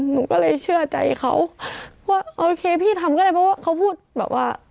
หนูก็เลยเชื่อใจเขาว่าโอเคพี่ทำก็ได้เพราะว่าเขาพูดแบบว่า